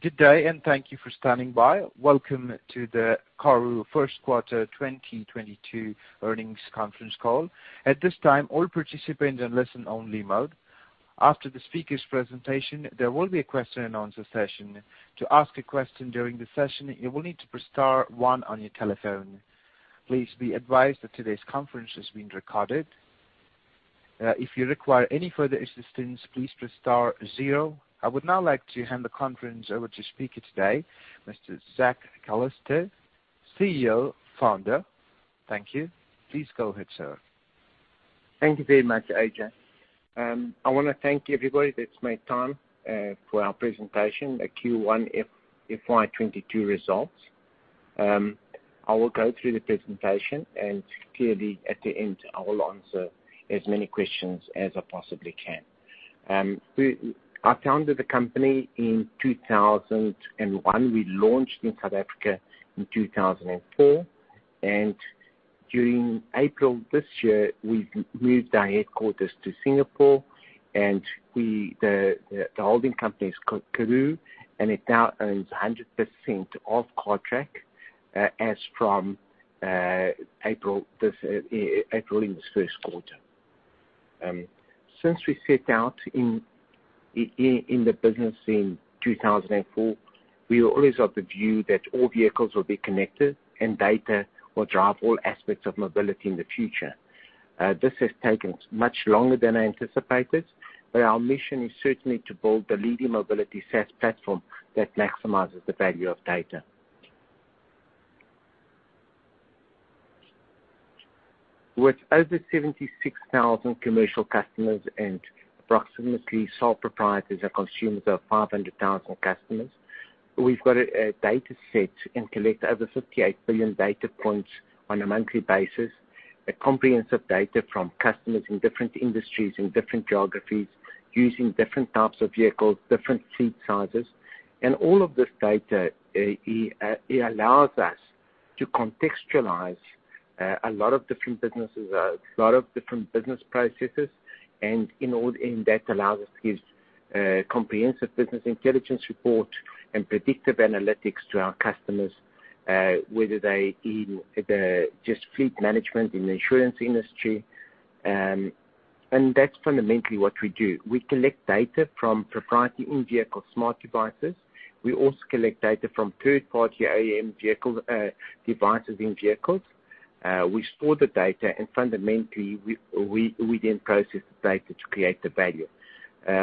Good day, and thank you for standing by. Welcome to the Karooooo first quarter 2022 earnings conference call. At this time, all participants are in listen only mode. After the speakers' presentation, there will be a question and answer session. To ask a question during the session, you will need to press star one on your telephone. Please be advised that today's conference is being recorded. If you require any further assistance, please press star zero. I would now like to hand the conference over to speaker today, Mr. Zak Calisto, CEO, founder. Thank you. Please go ahead, sir. Thank you very much, AJ. I want to thank everybody that's made time for our presentation, the Q1 FY22 results. I will go through the presentation, and clearly at the end, I will answer as many questions as I possibly can. I founded the company in 2001. We launched in South Africa in 2004, and during April this year, we've moved our headquarters to Singapore. The holding company is called Karooooo, and it now owns 100% of Cartrack as from April in this first quarter. Since we set out in the business in 2004, we were always of the view that all vehicles will be connected and data will drive all aspects of mobility in the future. This has taken much longer than anticipated, but our mission is certainly to build the leading mobility SaaS platform that maximizes the value of data. With over 76,000 commercial customers and approximately sole proprietors and consumers of 500,000 customers, we've got a data set and collect over 58 billion data points on a monthly basis. A comprehensive data from customers in different industries, in different geographies, using different types of vehicles, different fleet sizes. All of this data, it allows us to contextualize a lot of different businesses, a lot of different business processes, and that allows us to give comprehensive business intelligence report and predictive analytics to our customers, whether they're in just fleet management, in the insurance industry. That's fundamentally what we do. We collect data from proprietary in-vehicle smart devices. We also collect data from third-party OEM devices in vehicles. We store the data, and fundamentally, we then process the data to create the value.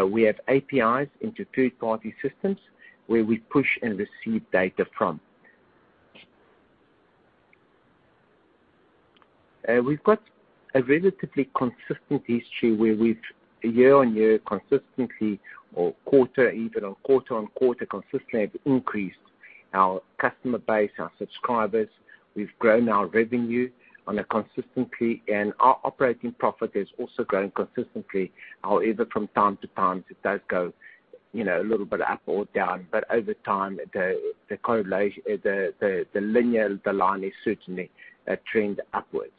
We have APIs into third-party systems where we push and receive data from. We've got a relatively consistent history where we've year-on-year consistently, or even on quarter-on-quarter consistently have increased our customer base, our subscribers. We've grown our revenue on a consistently, and our operating profit has also grown consistently. However, from time to time, it does go a little bit up or down, but over time, the linear, the line is certainly a trend upwards.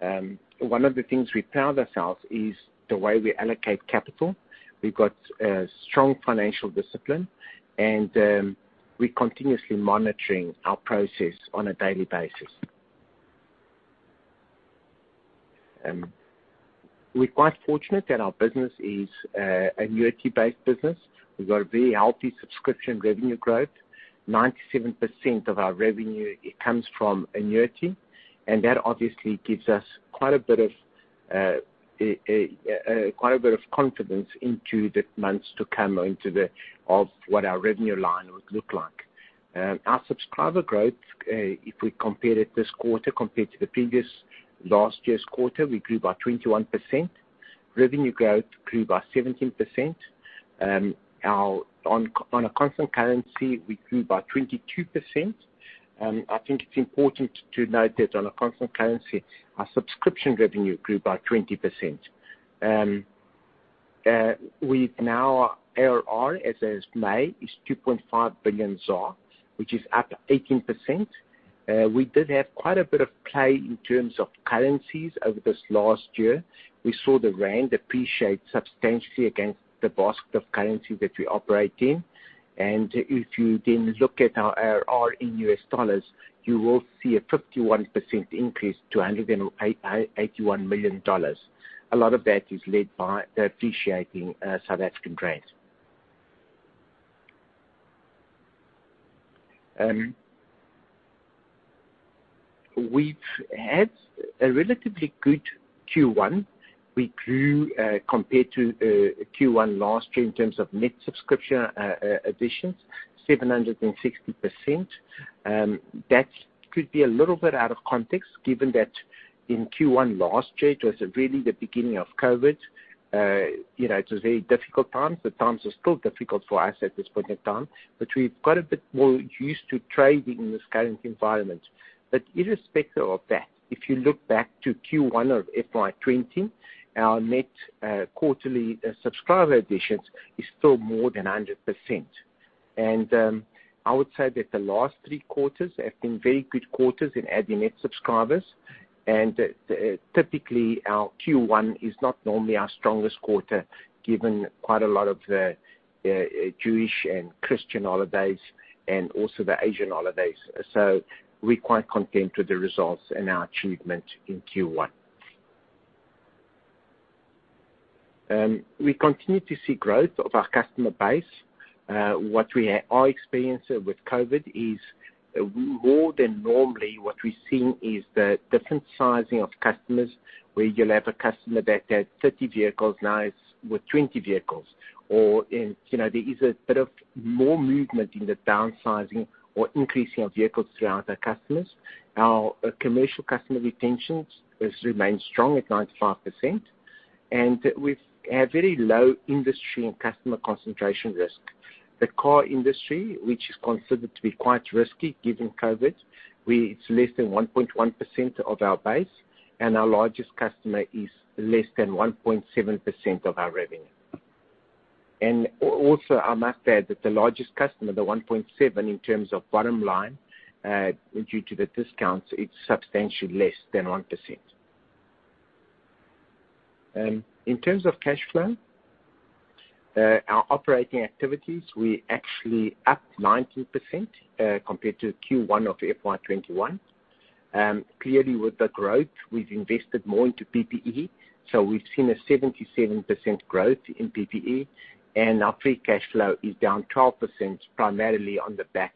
One of the things we proud ourselves is the way we allocate capital. We've got a strong financial discipline, and we continuously monitoring our process on a daily basis. We're quite fortunate that our business is annuity-based business. We've got a very healthy subscription revenue growth. 97% of our revenue comes from annuity, and that obviously gives us quite a bit of confidence into the months to come or into what our revenue line would look like. Our subscriber growth, if we compare it this quarter compared to the previous, last year's quarter, we grew by 21%. Revenue growth grew by 17%. On a constant currency, we grew by 22%. I think it's important to note that on a constant currency, our subscription revenue grew by 20%. Our ARR as at May is 2.5 billion ZAR, which is up 18%. We did have quite a bit of play in terms of currencies over this last year. We saw the Rand appreciate substantially against the basket of currency that we operate in. If you then look at our ARR in US dollars, you will see a 51% increase to $181 million. A lot of that is led by the appreciating South African Rand. We've had a relatively good Q1. We grew, compared to Q1 last year in terms of net subscription additions, 760%. That could be a little bit out of context given that in Q1 last year, it was really the beginning of COVID. It was very difficult times. The times are still difficult for us at this point in time, but we've got a bit more used to trading in this current environment. Irrespective of that, if you look back to Q1 of FY20, our net quarterly subscriber additions is still more than 100%. I would say that the last three quarters have been very good quarters in adding net subscribers. Typically, our Q1 is not normally our strongest quarter, given quite a lot of the Jewish and Christian holidays and also the Asian holidays. We're quite content with the results and our achievement in Q1. We continue to see growth of our customer base. Our experience with COVID is, more than normally, what we're seeing is the different sizing of customers, where you'll have a customer that had 30 vehicles, now is with 20 vehicles. There is a bit of more movement in the downsizing or increasing of vehicles throughout our customers. Our commercial customer retention has remained strong at 95%, and we have very low industry and customer concentration risk. The car industry, which is considered to be quite risky given COVID, it's less than 1.1% of our base, and our largest customer is less than 1.7% of our revenue. Also, I must add that the largest customer, the 1.7 in terms of bottom line, due to the discounts, it's substantially less than 1%. In terms of cash flow, our operating activities, we're actually up 19% compared to Q1 of FY21. Clearly, with the growth, we've invested more into PPE. We've seen a 77% growth in PPE, and our free cash flow is down 12%, primarily on the back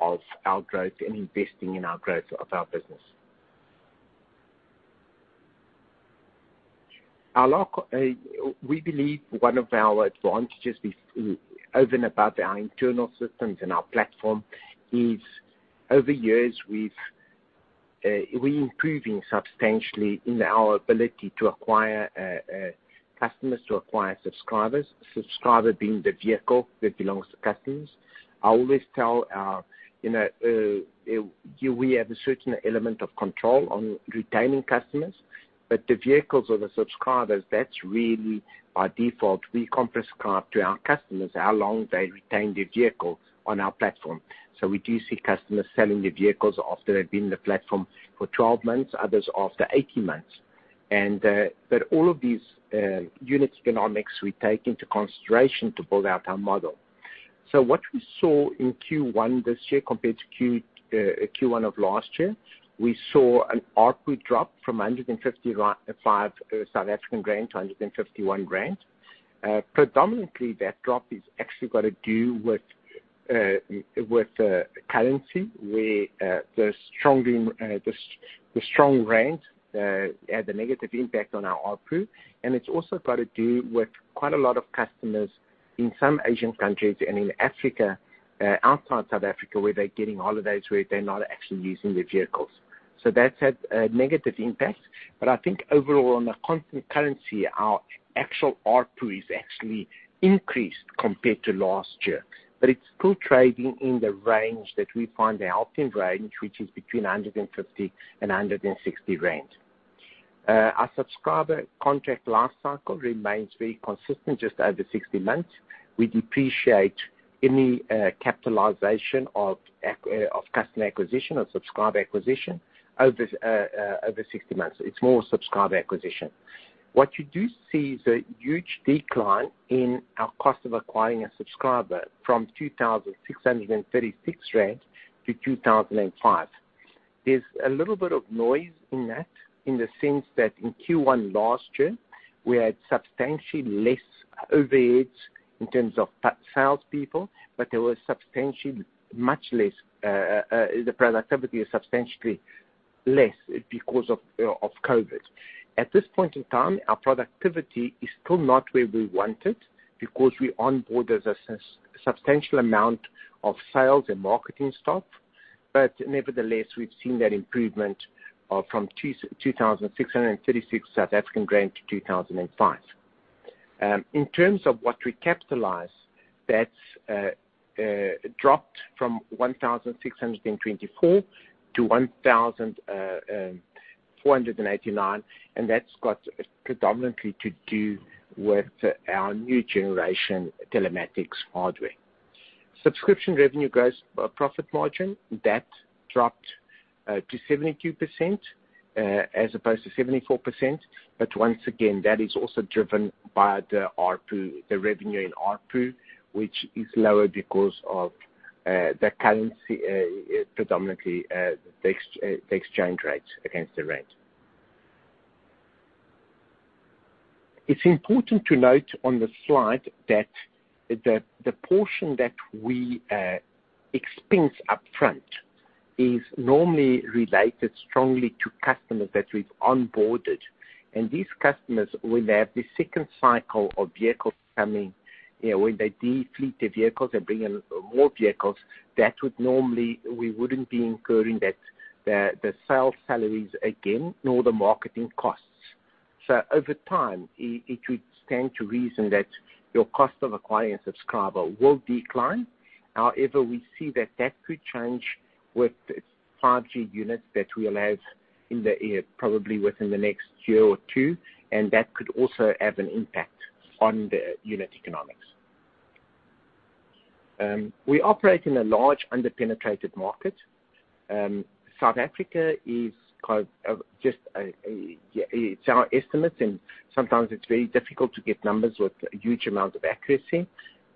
of our growth and investing in our growth of our business. We believe one of our advantages over and above our internal systems and our platform is, over years, we improving substantially in our ability to acquire customers, to acquire subscribers, subscriber being the vehicle that belongs to customers. I always tell. We have a certain element of control on retaining customers, but the vehicles or the subscribers, that's really by default, we can't prescribe to our customers how long they retain their vehicle on our platform. We do see customers selling their vehicles after they've been in the platform for 12 months, others after 18 months. All of these unit economics we take into consideration to build out our model. What we saw in Q1 this year compared to Q1 of last year, we saw an ARPU drop from 155 South African rand to 151 rand. Predominantly, that drop is actually got to do with currency, where the strong ZAR had a negative impact on our ARPU. It's also got to do with quite a lot of customers in some Asian countries and in Africa, outside South Africa, where they're getting holidays, where they're not actually using their vehicles. That's had a negative impact. I think overall, on the constant currency, our actual ARPU is actually increased compared to last year. It's still trading in the range that we find a healthy range, which is between 150 and 160 rand. Our subscriber contract life cycle remains very consistent, just over 60 months. We depreciate any capitalization of customer acquisition or subscriber acquisition over 60 months. It's more subscriber acquisition. What you do see is a huge decline in our cost of acquiring a subscriber from 2,636 rand to 2,005. There's a little bit of noise in that, in the sense that in Q1 last year, we had substantially less overheads in terms of salespeople, but the productivity is substantially less because of COVID. At this point in time, our productivity is still not where we want it because we onboard a substantial amount of sales and marketing staff. Nevertheless, we've seen that improvement from 2,636 to 2,005. In terms of what we capitalize, that's dropped from 1,624 to 1,489, and that's got predominantly to do with our new generation telematics hardware. Subscription revenue gross profit margin, that dropped to 72% as opposed to 74%. Once again, that is also driven by the revenue in ARPU, which is lower because of the currency, predominantly the exchange rate against the rand. It's important to note on the slide that the portion that we expense upfront is normally related strongly to customers that we've onboarded. These customers, when they have the second cycle of vehicles coming, when they de-fleet their vehicles and bring in more vehicles, that would normally, we wouldn't be incurring the sales salaries again, nor the marketing costs. Over time, it would stand to reason that your cost of acquiring a subscriber will decline. However, we see that that could change with 5G units that we'll have probably within the next year or two, and that could also have an impact on the unit economics. We operate in a large under-penetrated market. South Africa. It's our estimates, sometimes it's very difficult to get numbers with a huge amount of accuracy.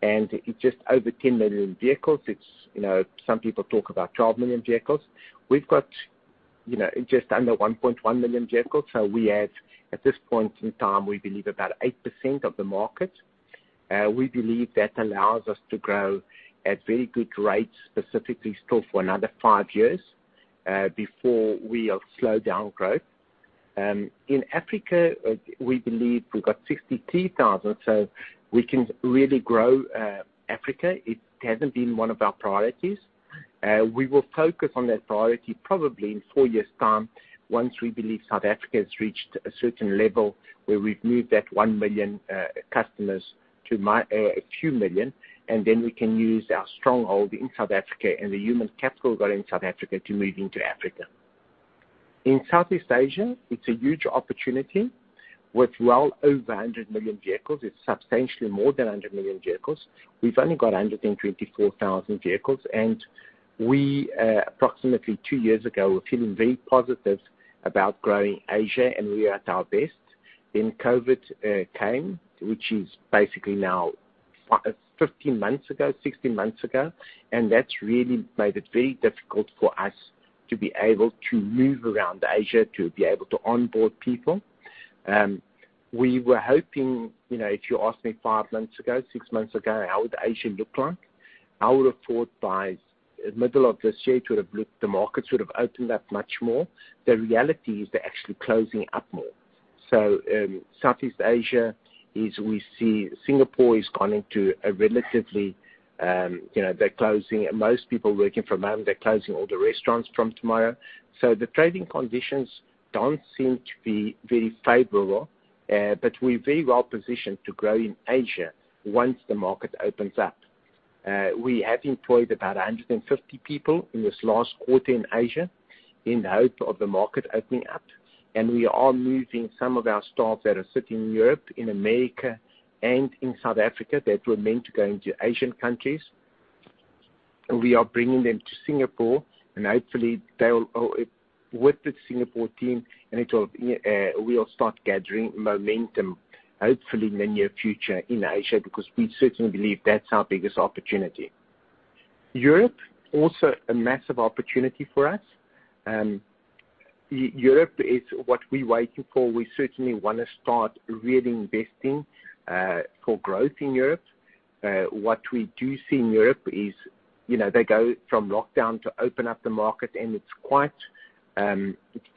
It's just over 10 million vehicles. Some people talk about 12 million vehicles. We've got just under 1.1 million vehicles, so at this point in time, we believe about 8% of the market. We believe that allows us to grow at very good rates, specifically still for another five years, before we'll slow down growth. In Africa, we believe we've got 63,000, so we can really grow Africa. It hasn't been one of our priorities. We will focus on that priority probably in four years time, once we believe South Africa has reached a certain level where we've moved that 1 million customers to a few million, and then we can use our stronghold in South Africa and the human capital we've got in South Africa to move into Africa. In Southeast Asia, it's a huge opportunity with well over 100 million vehicles. It's substantially more than 100 million vehicles. We've only got 124,000 vehicles, and we, approximately two years ago, were feeling very positive about growing Asia, and we were at our best. COVID came, which is basically now 15 months ago, 16 months ago, and that's really made it very difficult for us to be able to move around Asia to be able to onboard people. We were hoping, if you asked me 5 months ago, 6 months ago, how would Asia look like, I would have thought by the middle of this year, the markets would have opened up much more. The reality is they're actually closing up more. Southeast Asia, we see Singapore has gone into a relatively. Most people are working from home. They're closing all the restaurants from tomorrow. The trading conditions don't seem to be very favorable, but we're very well positioned to grow in Asia once the market opens up. We have employed about 150 people in this last quarter in Asia in the hope of the market opening up, and we are moving some of our staff that are sitting in Europe, in America, and in South Africa that were meant to go into Asian countries. We are bringing them to Singapore. With the Singapore team, we'll start gathering momentum, hopefully in the near future in Asia, because we certainly believe that's our biggest opportunity. Europe, also a massive opportunity for us. Europe is what we're waiting for. We certainly want to start really investing for growth in Europe. What we do see in Europe is they go from lockdown to open up the market. It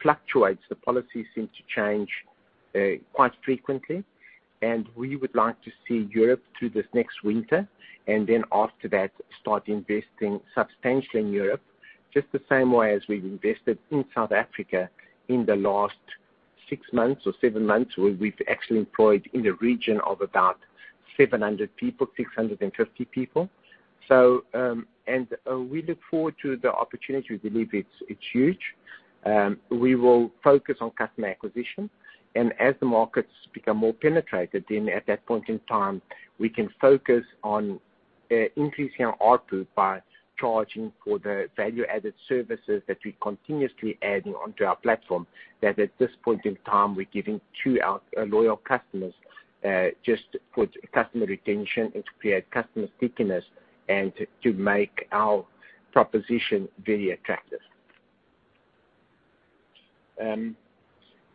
fluctuates. The policies seem to change quite frequently. We would like to see Europe through this next winter, then after that, start investing substantially in Europe, just the same way as we've invested in South Africa in the last six months or seven months, where we've actually employed in the region of about 700 people, 650 people. We look forward to the opportunity. We believe it's huge. We will focus on customer acquisition. As the markets become more penetrated, then at that point in time, we can focus on increasing our ARPU by charging for the value-added services that we're continuously adding onto our platform, that at this point in time, we're giving to our loyal customers, just for customer retention and to create customer stickiness and to make our proposition very attractive.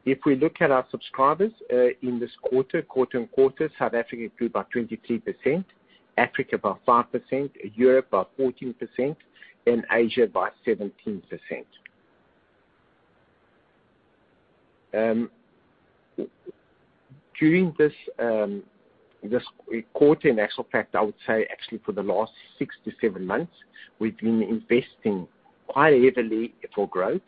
If we look at our subscribers in this quarter-on-quarter, South Africa grew by 23%, Africa by 5%, Europe by 14%, and Asia by 17%. During this quarter, in actual fact, I would say actually for the last six to seven months, we've been investing quite heavily for growth.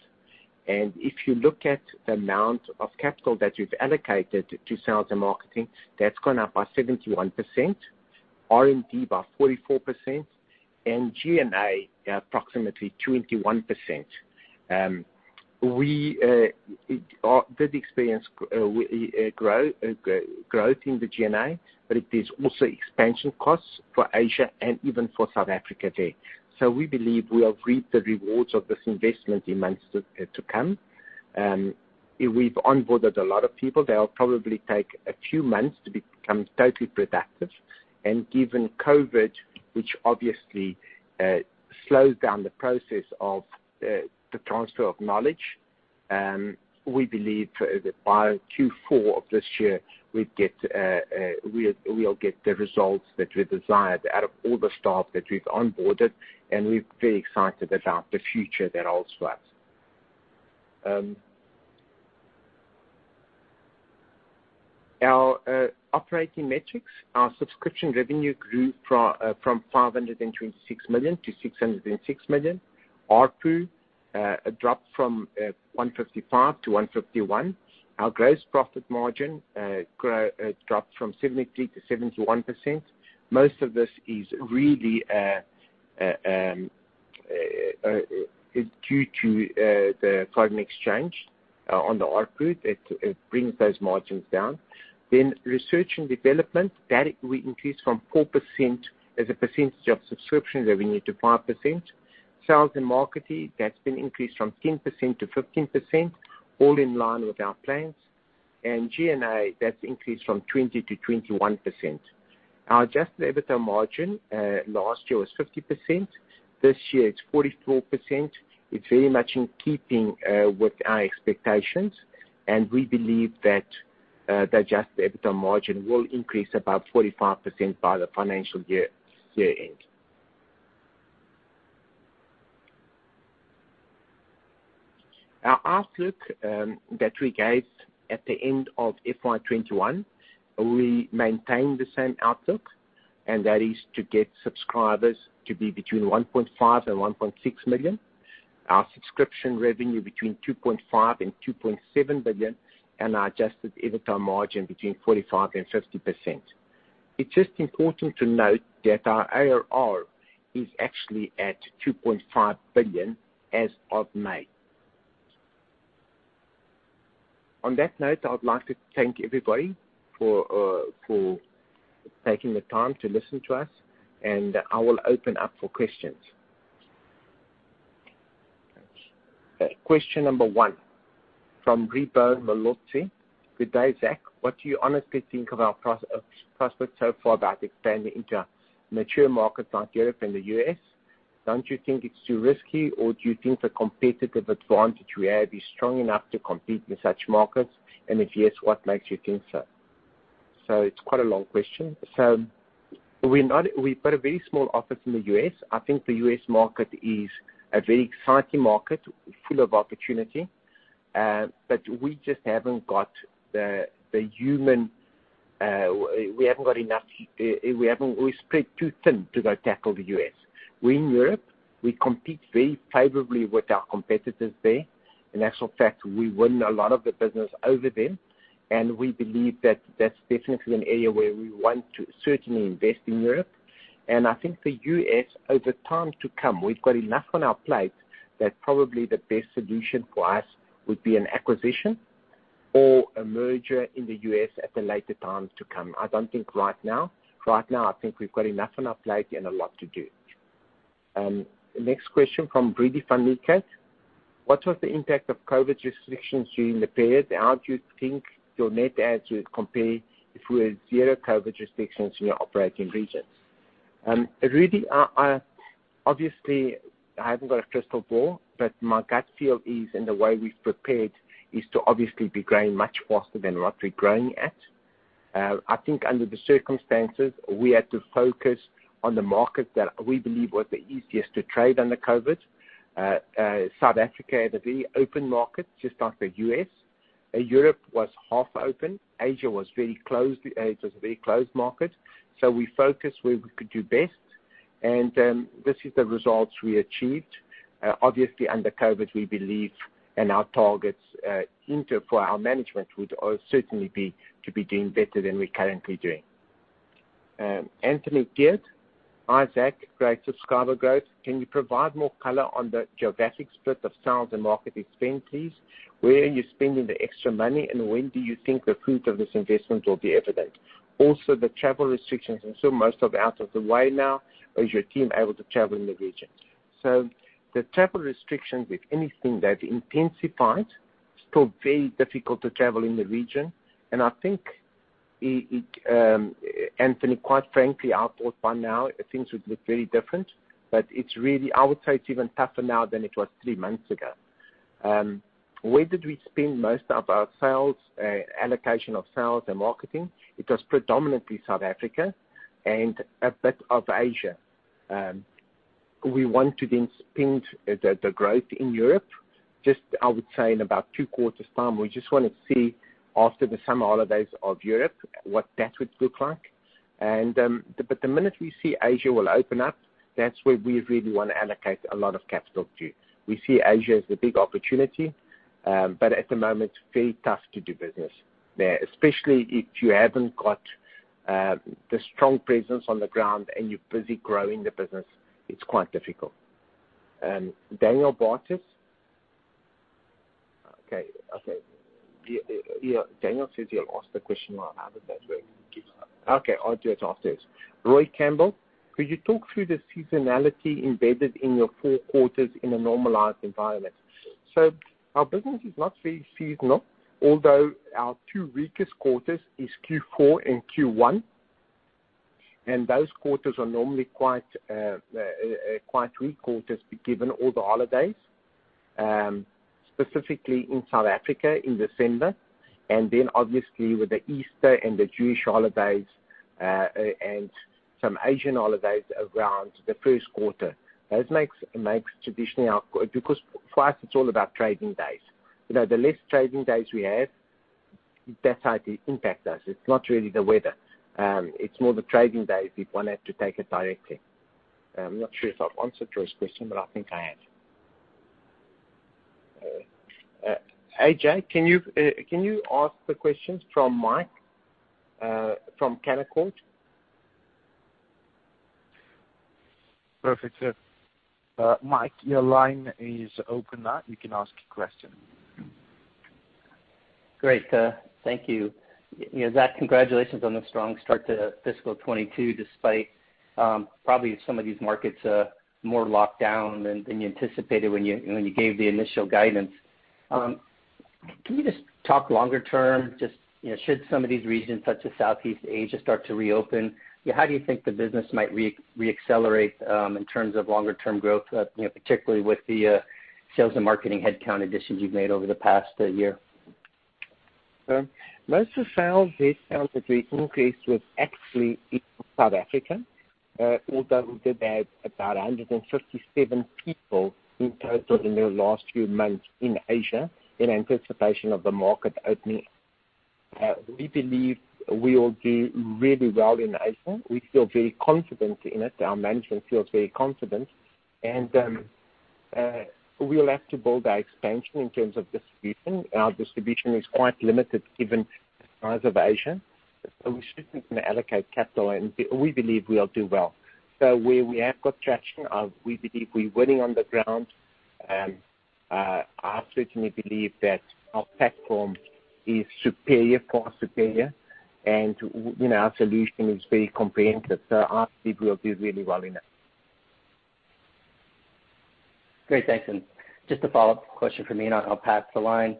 If you look at the amount of capital that we've allocated to sales and marketing, that's gone up by 71%, R&D by 44%, and G&A approximately 21%. We did experience growth in the G&A, but there's also expansion costs for Asia and even for South Africa there. We believe we will reap the rewards of this investment in months to come. We've onboarded a lot of people. They'll probably take a few months to become totally productive. Given COVID, which obviously slows down the process of the transfer of knowledge, we believe that by Q4 of this year we'll get the results that we desired out of all the staff that we've onboarded, and we're very excited about the future that holds for us. Our operating metrics. Our subscription revenue grew from 526 million to 606 million. ARPU drop from 155 to 151. Our gross profit margin dropped from 70% to 71%. Most of this is really due to the foreign exchange on the ARPU. It brings those margins down. Research and development, that we increased from 4% as a percentage of subscription revenue to 5%. Sales and marketing, that's been increased from 10% to 15%, all in line with our plans. G&A, that's increased from 20% to 21%. Our adjusted EBITDA margin last year was 50%. This year, it's 44%. It's very much in keeping with our expectations, and we believe that the adjusted EBITDA margin will increase about 45% by the financial year end. Our outlook that we gave at the end of FY 2021, we maintain the same outlook, and that is to get subscribers to be between 1.5 million and 1.6 million. Our subscription revenue between 2.5 billion and 2.7 billion, and our adjusted EBITDA margin between 45% and 50%. It's just important to note that our ARR is actually at 2.5 billion as of May. On that note, I would like to thank everybody for taking the time to listen to us, and I will open up for questions. Question number 1 from Reuben Molotsi. "Good day, Zak. What do you honestly think of our prospects so far about expanding into mature markets like Europe and the U.S.? Don't you think it's too risky, or do you think the competitive advantage we have is strong enough to compete in such markets? If yes, what makes you think so?" It's quite a long question. We've got a very small office in the U.S. I think the U.S. market is a very exciting market, full of opportunity. We're spread too thin to go tackle the U.S. We, in Europe, we compete very favorably with our competitors there. In actual fact, we win a lot of the business over them, and we believe that that's definitely an area where we want to certainly invest in Europe. I think the U.S., over time to come, we've got enough on our plate that probably the best solution for us would be an acquisition or a merger in the U.S. at a later time to come. I don't think right now. Right now, I think we've got enough on our plate and a lot to do. Next question from Rudi van Niekerk. "What was the impact of COVID restrictions during the period? How do you think your net add would compare if we had 0 COVID restrictions in your operating regions?" Rudi van Niekerk, I haven't got a crystal ball, but my gut feel is, the way we've prepared, is to obviously be growing much faster than what we're growing at. I think under the circumstances, we had to focus on the markets that we believe were the easiest to trade under COVID. South Africa had a very open market, just like the U.S. Europe was half open. Asia was a very closed market. We focused where we could do best, and this is the results we achieved. Obviously, under COVID, we believe, and our targets for our management would certainly be to be doing better than we're currently doing. Anthony Geard. "Hi, Zak Calisto. Great subscriber growth. Can you provide more color on the geographic split of sales and marketing spend, please? Where are you spending the extra money, and when do you think the fruit of this investment will be evident? The travel restrictions I'm sure most are out of the way now. Is your team able to travel in the region? The travel restrictions, with anything that intensified, still very difficult to travel in the region. I think, Anthony, quite frankly, I thought by now things would look very different. I would say it's even tougher now than it was three months ago. Where did we spend most of our allocation of sales and marketing? It was predominantly South Africa and a bit of Asia. We want to then spend the growth in Europe, just, I would say, in about two quarters' time. We just want to see after the summer holidays of Europe, what that would look like. The minute we see Asia will open up, that's where we really want to allocate a lot of capital to. We see Asia as the big opportunity. At the moment, very tough to do business there, especially if you haven't got the strong presence on the ground and you're busy growing the business. It's quite difficult. Daniel Bartus? Okay. Daniel says he'll ask the question rather than that way. Okay, I'll do it afterwards. Roy Campbell. "Could you talk through the seasonality embedded in your four quarters in a normalized environment?" Our business is not very seasonal, although our two weakest quarters is Q4 and Q1. Those quarters are normally quite weak quarters, given all the holidays, specifically in South Africa in December, and then obviously with the Easter and the Jewish holidays, and some Asian holidays around the first quarter. For us, it's all about trading days. The less trading days we have. That's how it impacts us. It's not really the weather. It's more the trading days if one had to take it directly. I'm not sure if I've answered your question, but I think I have. AJ, can you ask the questions from Mike from Canaccord? Perfect, sir. Mike, your line is open now. You can ask your question. Great. Thank you. Zak, congratulations on the strong start to fiscal '22, despite probably some of these markets more locked down than you anticipated when you gave the initial guidance. Can you just talk longer term, just should some of these regions such as Southeast Asia start to reopen, how do you think the business might re-accelerate in terms of longer-term growth, particularly with the sales and marketing headcount additions you've made over the past year? Most of sales this quarter, the increase was actually in South Africa. Although we did add about 157 people in total in the last few months in Asia in anticipation of the market opening. We believe we will do really well in Asia. We feel very confident in it. Our management feels very confident, and we will have to build our expansion in terms of distribution. Our distribution is quite limited given the size of Asia. We shouldn't allocate capital, and we believe we'll do well. Where we have got traction, we believe we're winning on the ground. I certainly believe that our platform is superior, and our solution is very comprehensive. I think we'll do really well in it. Great. Thanks. Just a follow-up question from me, and I'll pass the line.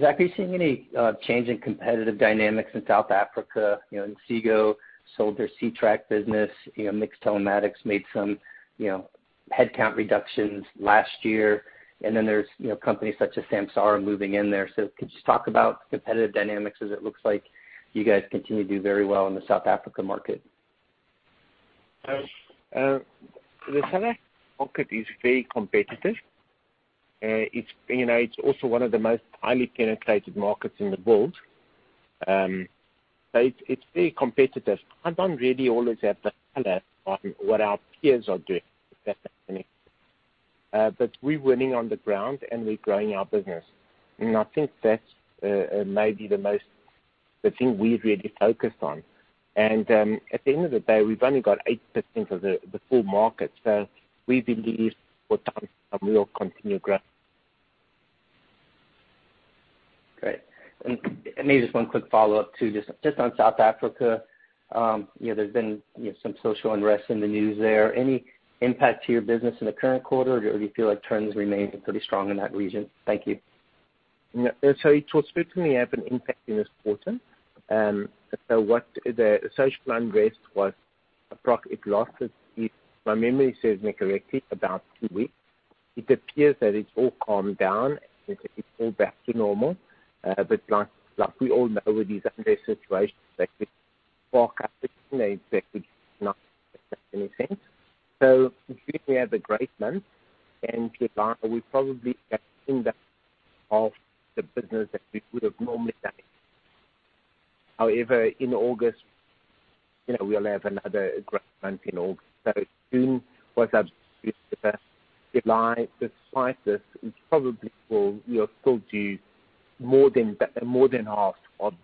Zak, are you seeing any change in competitive dynamics in South Africa? Inseego sold their Ctrack business, MiX Telematics made some headcount reductions last year, there's companies such as Samsara moving in there. Could you just talk about competitive dynamics as it looks like you guys continue to do very well in the South Africa market? The South Africa market is very competitive. It's also one of the most highly penetrated markets in the world. It's very competitive. I don't really always have the color on what our peers are doing if that makes any sense. We're winning on the ground, and we're growing our business. I think that's maybe the thing we've really focused on. At the end of the day, we've only got 8% of the full market. We believe, over time, we will continue growing. Great. Maybe just one quick follow-up, too, just on South Africa. There's been some social unrest in the news there. Any impact to your business in the current quarter, or do you feel like trends remain pretty strong in that region? Thank you. It will certainly have an impact in this quarter. The social unrest lasted, if my memory serves me correctly, about two weeks. It appears that it's all calmed down, and it's all back to normal. Like we all know with these unrest situations, they could spark up again, they could not, if that makes any sense. In June, we had a great month, and July, we probably got 80% of the business that we would have normally done. However, in August, we'll have another great month in August. June was absolutely super. July, despite this, we are still due more than half of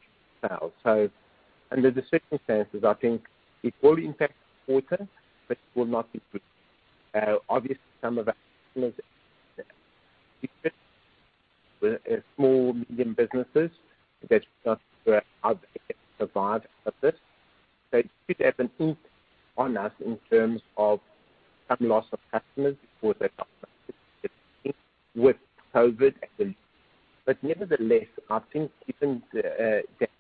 the sales. Under the circumstances, I think it will impact this quarter, but it will not be good. Obviously, some of our customers, small, medium businesses, they're struggling to survive off this. It could have an impact on us in terms of some loss of customers because they can't pay their bills with COVID actually. Nevertheless, I think given that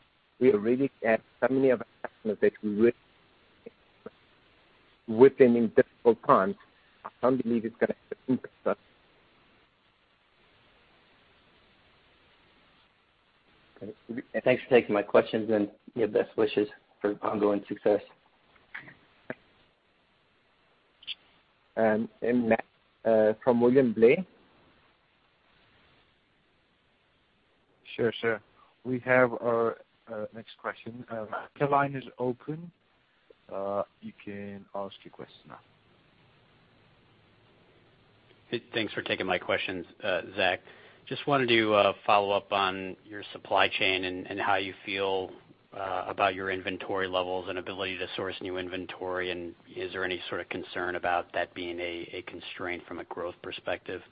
we already have so many of our customers that we work with in difficult times, I can't believe it's gonna have an impact on us. Great. Thanks for taking my questions, and best wishes for ongoing success. Next, from William Blais. Sure, sir. We have our next question. Your line is open. You can ask your question now. Thanks for taking my questions, Zak. Just wanted to follow up on your supply chain and how you feel about your inventory levels and ability to source new inventory, and is there any sort of concern about that being a constraint from a growth perspective?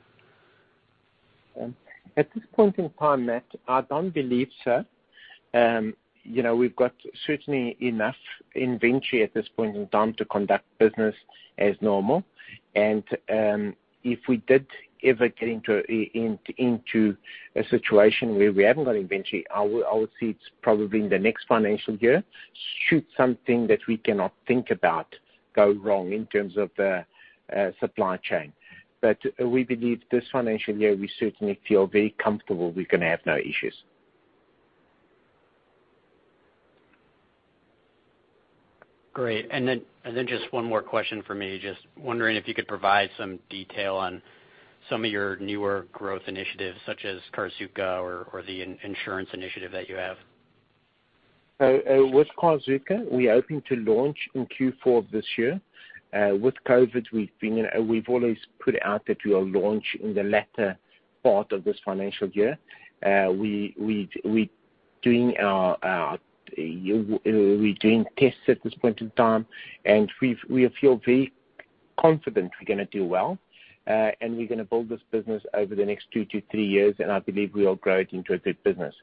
At this point in time, Matt, I don't believe so. We've got certainly enough inventory at this point in time to conduct business as normal. If we did ever get into a situation where we haven't got inventory, I would say it's probably in the next financial year should something that we cannot think about go wrong in terms of the supply chain. We believe this financial year, we certainly feel very comfortable we're gonna have no issues. Great. Then just one more question from me. Just wondering if you could provide some detail on some of your newer growth initiatives, such as Carzuka or the insurance initiative that you have. With Carzuka, we're hoping to launch in Q4 of this year. With COVID, we've always put out that we will launch in the latter part of this financial year. We're doing tests at this point in time, and we feel very confident we're going to do well, and we're going to build this business over the next 2-3 years, and I believe we will grow it into a big business.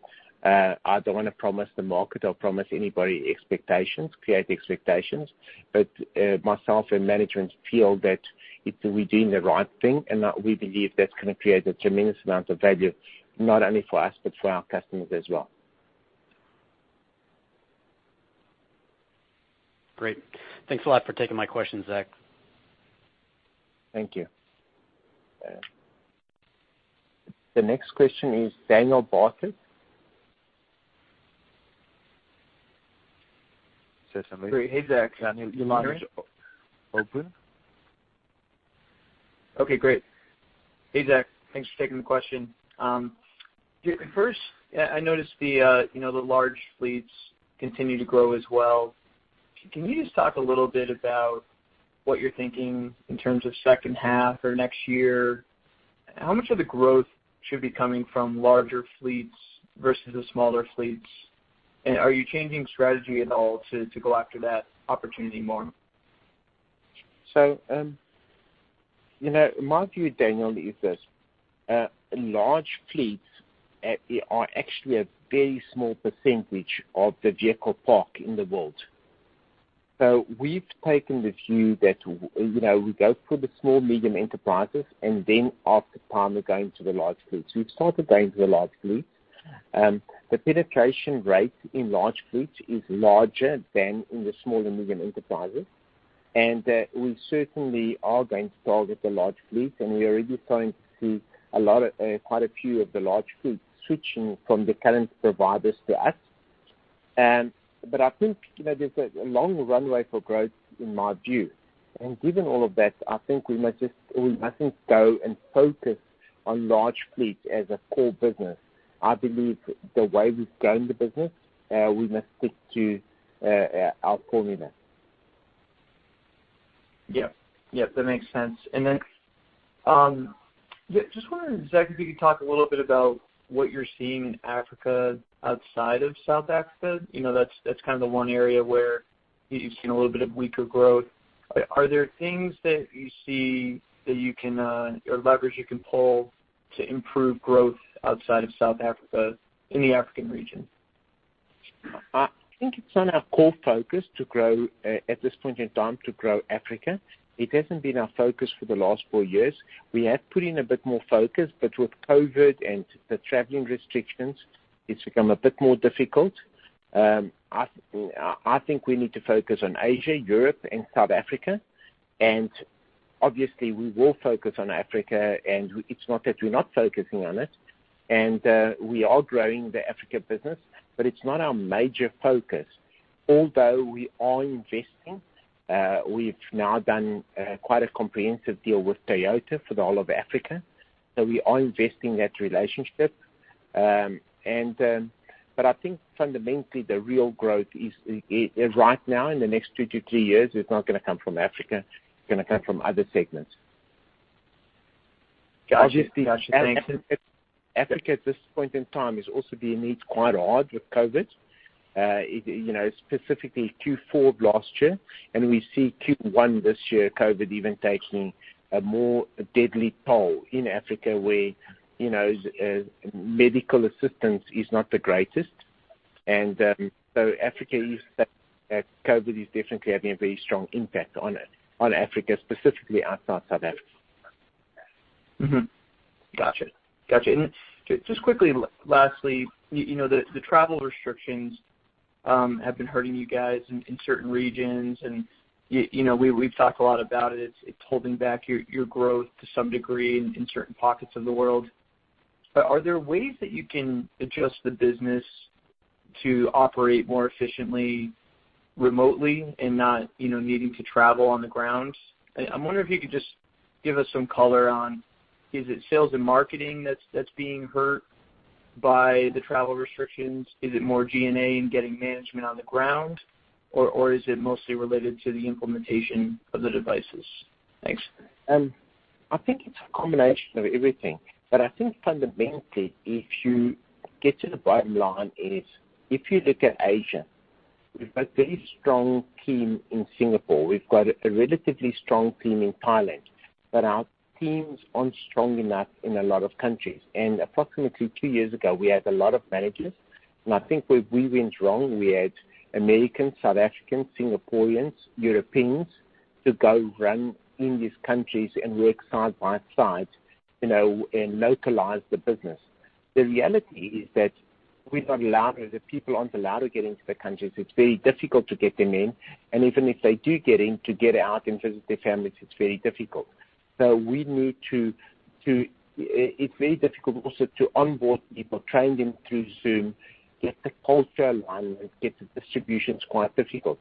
I don't want to promise the market or promise anybody expectations, create expectations, but myself and management feel that we're doing the right thing and that we believe that's going to create a tremendous amount of value, not only for us but for our customers as well. Great. Thanks a lot for taking my question, Zak. Thank you. The next question is Daniel Barker. Say something. Great. Hey, Zak. Your line is open. Okay, great. Hey, Zak. Thanks for taking the question. First, I noticed the large fleets continue to grow as well. Can you just talk a little bit about what you're thinking in terms of second half or next year? How much of the growth should be coming from larger fleets versus the smaller fleets? Are you changing strategy at all to go after that opportunity more? My view, Daniel, is this, large fleets are actually a very small percentage of the vehicle park in the world. We've taken the view that we go for the small, medium enterprises, and then after time, we're going to the large fleets. We've started going to the large fleets. The penetration rate in large fleets is larger than in the small and medium enterprises. We certainly are going to target the large fleets, and we are already starting to see quite a few of the large fleets switching from the current providers to us. I think there's a long runway for growth in my view. Given all of that, I think we mustn't go and focus on large fleets as a core business. I believe the way we've grown the business, we must stick to our formula. Yep. That makes sense. Just wondering, Zak, if you could talk a little bit about what you're seeing in Africa outside of South Africa. That's kind of the one area where you've seen a little bit of weaker growth. Are there things that you see that you can, or levers you can pull to improve growth outside of South Africa in the African region? I think it's not our core focus, at this point in time, to grow Africa. It hasn't been our focus for the last four years. We have put in a bit more focus, but with COVID and the traveling restrictions, it's become a bit more difficult. Obviously, we will focus on Africa, and it's not that we're not focusing on it. We are growing the Africa business, but it's not our major focus. Although we are investing, we've now done quite a comprehensive deal with Toyota for the whole of Africa. I think fundamentally, the real growth right now in the next two to three years is not going to come from Africa. It's going to come from other segments. Got you. Thanks. Obviously, Africa at this point in time is also being hit quite hard with COVID, specifically Q4 of last year, and we see Q1 this year, COVID even taking a more deadly toll in Africa where medical assistance is not the greatest. Africa is such that COVID is definitely having a very strong impact on it, on Africa, specifically outside South Africa. Mm-hmm. Got you. Just quickly, lastly, the travel restrictions have been hurting you guys in certain regions, and we've talked a lot about it. It's holding back your growth to some degree in certain pockets of the world. Are there ways that you can adjust the business to operate more efficiently remotely and not needing to travel on the ground? I'm wondering if you could just give us some color on, is it sales and marketing that's being hurt by the travel restrictions? Is it more G&A and getting management on the ground, or is it mostly related to the implementation of the devices? Thanks. I think it's a combination of everything. I think fundamentally, if you get to the bottom line is, if you look at Asia, we've got a very strong team in Singapore. We've got a relatively strong team in Thailand, but our teams aren't strong enough in a lot of countries. Approximately two years ago, we had a lot of managers, and I think where we went wrong, we had Americans, South Africans, Singaporeans, Europeans to go run in these countries and work side by side and localize the business. The reality is that we're not allowed, or the people aren't allowed to get into the countries. It's very difficult to get them in. Even if they do get in, to get out and visit their families, it's very difficult. So it's very difficult also to onboard people, train them through Zoom, get the culture aligned, and get the distributions quite difficult.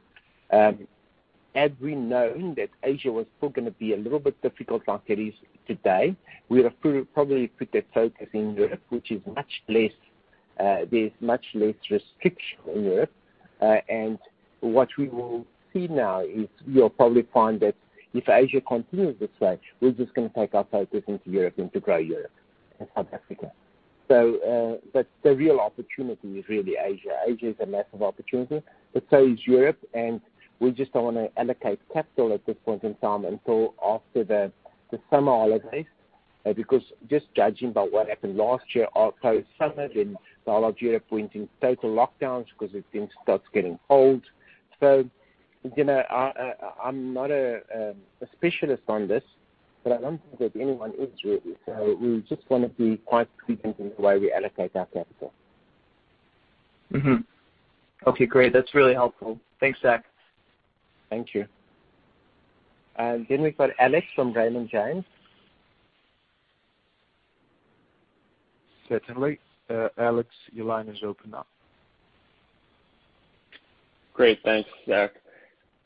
Had we known that Asia was still going to be a little bit difficult like it is today, we would have probably put that focus in Europe, which there's much less restriction in Europe. What we will see now is, we'll probably find that if Asia continues this way, we're just going to take our focus into Europe and to grow Europe and South Africa. The real opportunity is really Asia. Asia is a massive opportunity, but so is Europe, and we just don't want to allocate capital at this point in time until after the summer holidays. Just judging by what happened last year post-summer, then the whole of Europe went in total lockdowns because it then starts getting cold. I'm not a specialist on this, but I don't think that anyone is really. We just want to be quite strategic in the way we allocate our capital. Mm-hmm. Okay, great. That's really helpful. Thanks, Zak. Thank you. We've got Alex from Raymond James. Certainly. Alex, your line has opened up. Great. Thanks, Zak.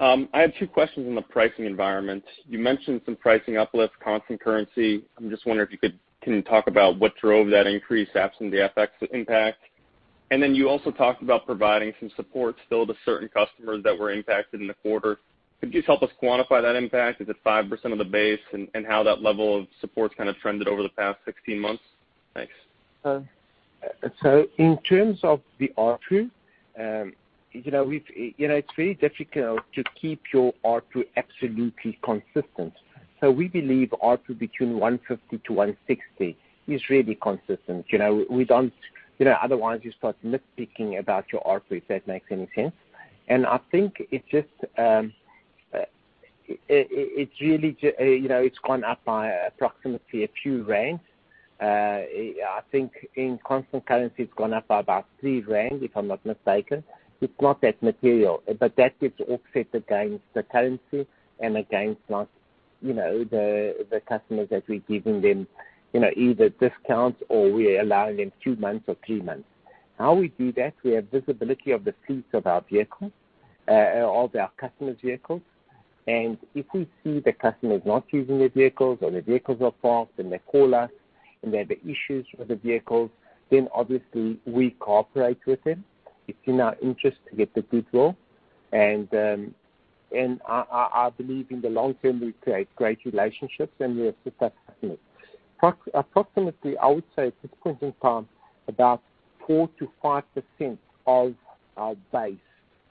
I have two questions on the pricing environment. You mentioned some pricing uplift, constant currency. I'm just wondering if you can talk about what drove that increase absent the FX impact. You also talked about providing some support still to certain customers that were impacted in the quarter. Could you just help us quantify that impact? Is it 5% of the base? How that level of support has kind of trended over the past 16 months? Thanks. In terms of the ARPU, it's very difficult to keep your ARPU absolutely consistent. We believe ARPU between 150 and 160 is really consistent. Otherwise, you start misspeaking about your ARPU, if that makes any sense. I think it's gone up by approximately a few ZAR. I think in constant currency it's gone up by about 3 Rands, if I'm not mistaken. It's not that material. That gets offset against the currency and against the customers that we're giving them either discounts or we're allowing them two months or three months. How we do that, we have visibility of the fleets of our vehicles, of our customers' vehicles. If we see the customers not using their vehicles or the vehicles are parked and they call us, and they have issues with the vehicles, then obviously we cooperate with them. It's in our interest to get the good will. I believe in the long term, we create great relationships, and we assist our customers. Approximately, I would say at this point in time, about 4%-5% of our base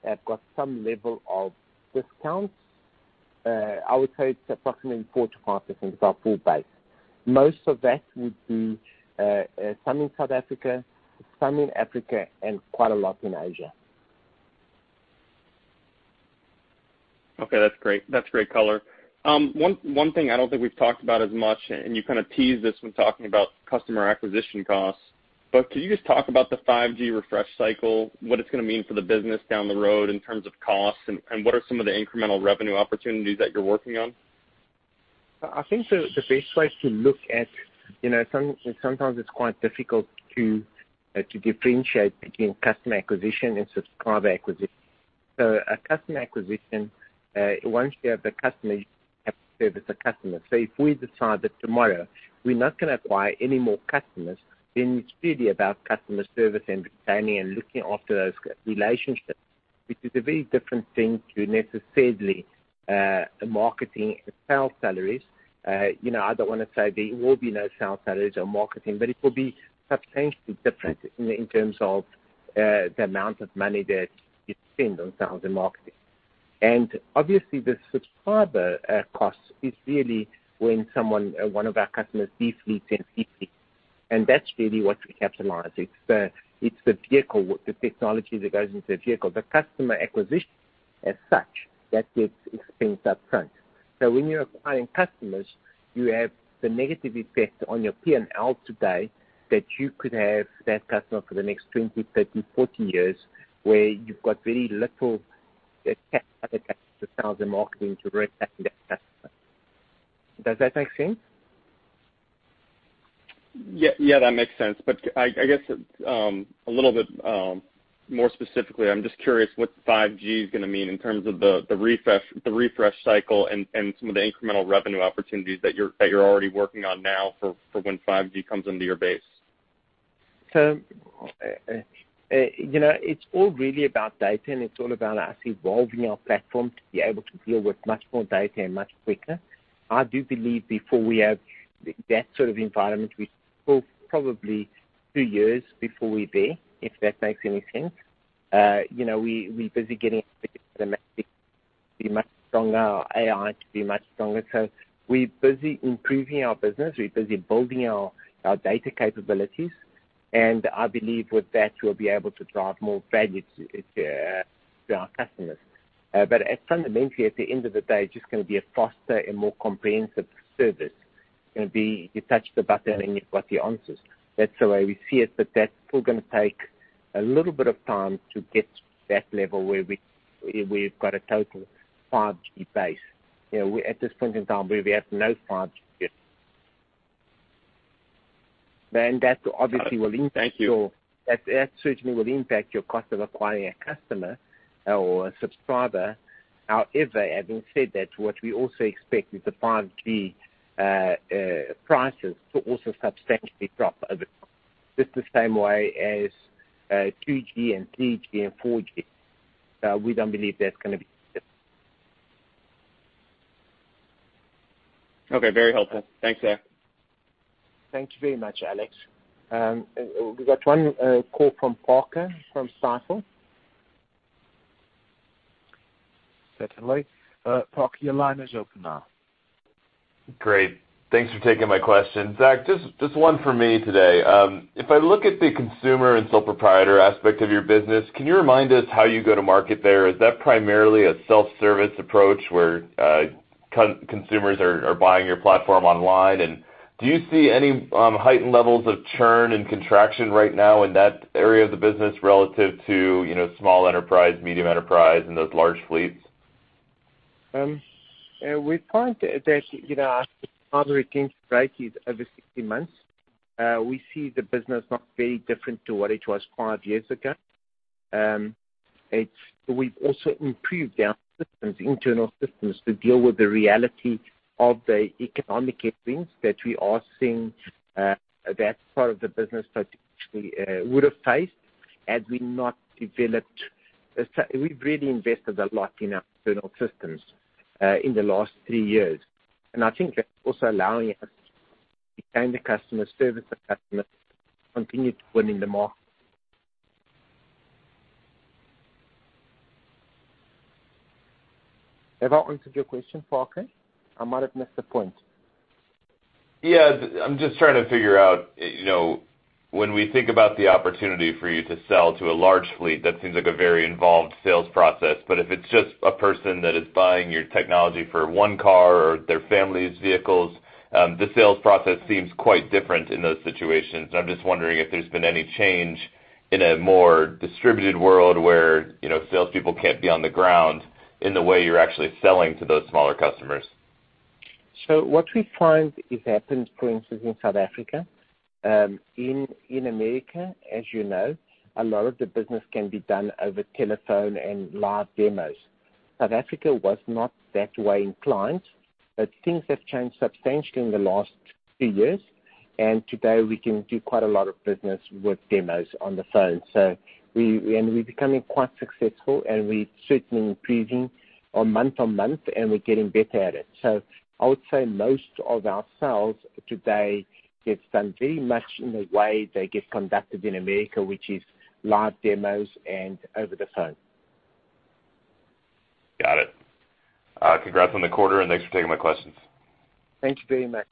have got some level of discounts. I would say it's approximately 4%-5% of our full base. Most of that would be, some in South Africa, some in Africa, and quite a lot in Asia. Okay, that's great color. One thing I don't think we've talked about as much, and you kind of teased this when talking about customer acquisition costs, but can you just talk about the 5G refresh cycle, what it's going to mean for the business down the road in terms of costs, and what are some of the incremental revenue opportunities that you're working on? Sometimes it is quite difficult to differentiate between customer acquisition and subscriber acquisition. A customer acquisition, once you have the customer, you have to service the customer. If we decide that tomorrow we are not going to acquire any more customers, then it is really about customer service and retaining and looking after those relationships, which is a very different thing to necessarily marketing and sales salaries. I do not want to say there will be no sales salaries or marketing, but it will be substantially different in terms of the amount of money that you spend on sales and marketing. Obviously the subscriber cost is really when one of our customers leases fleet and fleet lease. That is really what we capitalize. It is the vehicle, the technology that goes into the vehicle. The customer acquisition, as such, that gets expensed up front. When you're acquiring customers, you have the negative effect on your P&L today that you could have that customer for the next 20, 30, 40 years, where you've got very little sales and marketing to retain that customer. Does that make sense? Yeah, that makes sense. I guess, a little bit more specifically, I'm just curious what 5G is going to mean in terms of the refresh cycle and some of the incremental revenue opportunities that you're already working on now for when 5G comes into your base. It's all really about data, and it's all about us evolving our platform to be able to deal with much more data and much quicker. I do believe before we have that sort of environment, we still probably two years before we're there, if that makes any sense. We're busy getting to be much stronger, our AI to be much stronger. We're busy improving our business. We're busy building our data capabilities. I believe with that, we'll be able to drive more value to our customers. Fundamentally, at the end of the day, it's just going to be a faster and more comprehensive service. It's going to be you touch the button and you've got your answers. That's the way we see it, but that's still going to take a little bit of time to get to that level where we've got a total 5G base. At this point in time, we have no 5G yet. Thank you. that certainly will impact your cost of acquiring a customer or a subscriber. Having said that, what we also expect is the 5G prices to also substantially drop over time. Just the same way as 2G and 3G and 4G. We don't believe that's going to be. Okay. Very helpful. Thanks, Zak. Thank you very much, Alex. We got one call from Parker from Circle. Certainly. Parker, your line is open now. Great. Thanks for taking my question. Zak, just one from me today. If I look at the consumer and sole proprietor aspect of your business, can you remind us how you go to market there? Is that primarily a self-service approach where consumers are buying your platform online? Do you see any heightened levels of churn and contraction right now in that area of the business relative to small enterprise, medium enterprise, and those large fleets? We find that our customer retention rate is over 60 months. We see the business not very different to what it was five years ago. We've also improved our internal systems to deal with the reality of the economic headwinds that we are seeing that part of the business potentially would have faced had we not developed. We've really invested a lot in our internal systems in the last three years. I think that's also allowing us to retain the customers, service the customers, continue to win in the market. Have I answered your question, Parker? I might have missed the point. Yeah, I'm just trying to figure out, when we think about the opportunity for you to sell to a large fleet, that seems like a very involved sales process. If it's just a person that is buying your technology for one car or their family's vehicles, the sales process seems quite different in those situations. I'm just wondering if there's been any change in a more distributed world where salespeople can't be on the ground in the way you're actually selling to those smaller customers. What we find is happens, for instance, in South Africa. In America, as you know, a lot of the business can be done over telephone and live demos. South Africa was not that way inclined, but things have changed substantially in the last few years, and today we can do quite a lot of business with demos on the phone. We're becoming quite successful, and we're certainly improving on month-on-month, and we're getting better at it. I would say most of our sales today gets done very much in the way they get conducted in America, which is live demos and over the phone. Got it. Congrats on the quarter, and thanks for taking my questions. Thank you very much.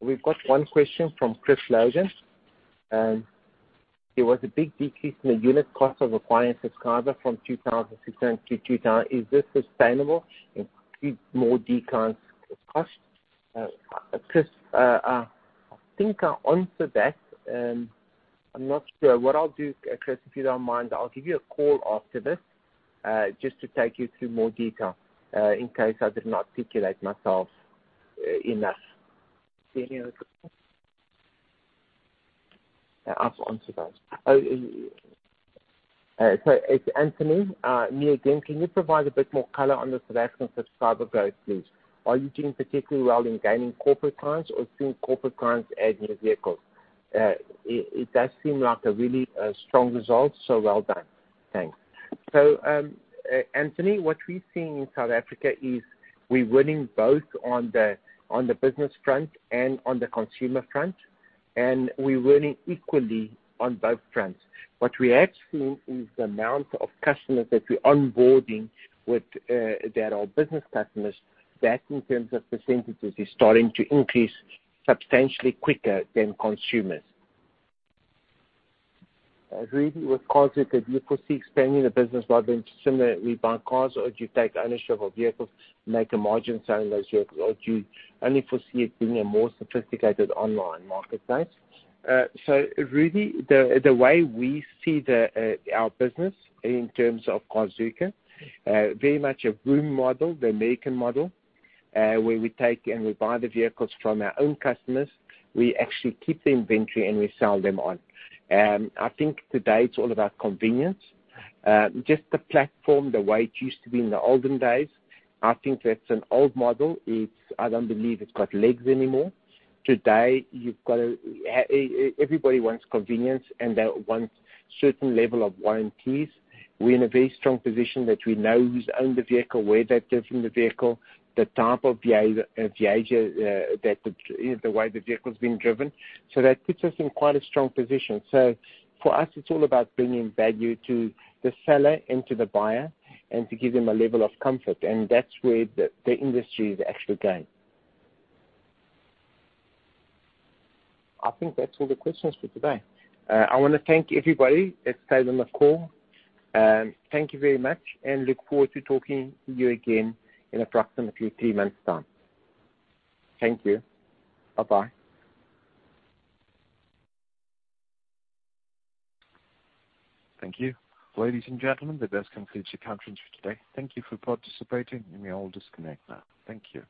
We've got one question from Chris Logan. There was a big decrease in the unit cost of acquiring subscriber from 2016 to 2000. Is this sustainable? Include more declines in cost. Chris, I think I answered that. I'm not sure. What I'll do, Chris, if you don't mind, I'll give you a call after this, just to take you through more detail, in case I did not articulate myself enough. Any other questions? I've answered those. It's Anthony. Anthony again, can you provide a bit more color on the reduction of subscriber growth, please? Are you doing particularly well in gaining corporate clients or seeing corporate clients add new vehicles? It does seem like a really strong result, so well done. Thanks. Anthony, what we're seeing in South Africa is we're winning both on the business front and on the consumer front, and we're winning equally on both fronts. What we have seen is the amount of customers that we're onboarding that are business customers, that in terms of percentages, is starting to increase substantially quicker than consumers. Rudy with Carzuka, "Do you foresee expanding the business by doing similar with buying cars, or do you take ownership of vehicles, make a margin selling those vehicles, or do you only foresee it being a more sophisticated online marketplace?" Rudy, the way we see our business in terms of Carzuka, very much a Vroom model, the American model, where we take and we buy the vehicles from our own customers. We actually keep the inventory, and we sell them on. I think today it's all about convenience. The platform, the way it used to be in the olden days, I think that's an old model. I don't believe it's got legs anymore. Today, everybody wants convenience, they want certain level of warranties. We're in a very strong position that we know who's owned the vehicle, where they've driven the vehicle, the type of the way the vehicle's been driven. That puts us in quite a strong position. For us, it's all about bringing value to the seller and to the buyer and to give them a level of comfort, that's where the industry is actually going. I think that's all the questions for today. I want to thank everybody that stayed on the call. Thank you very much, look forward to talking to you again in approximately three months' time. Thank you. Bye-bye. Thank you. Ladies and gentlemen, that does conclude the conference for today. Thank you for participating. You may all disconnect now. Thank you.